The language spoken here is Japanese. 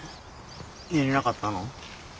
寝れなかったの？